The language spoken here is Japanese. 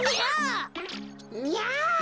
にゃあ！